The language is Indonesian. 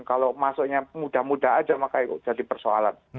kalau masuknya mudah mudah aja maka jadi persoalan